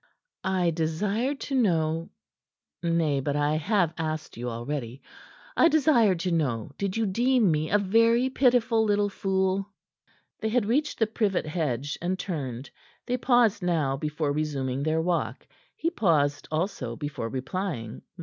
"I desired to know Nay, but I have asked you already. I desired to know did you deem me a very pitiful little fool?" They had reached the privet hedge, and turned. They paused now before resuming their walk. He paused, also, before replying.